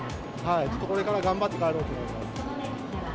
ちょっと、これから頑張って帰ろうと思います。